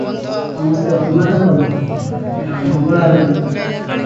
ସମସ୍ତେ ଅନୁମାନ କଲେ, ଏହା ମଙ୍ଗଳାର ମାୟା ।